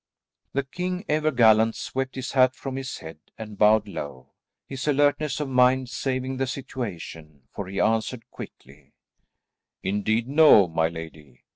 The king, ever gallant, swept his hat from his head and bowed low, his alertness of mind saving the situation, for he answered quickly, "Indeed no, my lady.